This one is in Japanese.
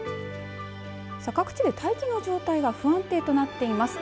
各地で大気の状態が不安定となっています。